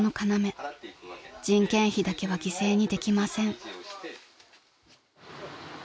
［人件費だけは犠牲にできません］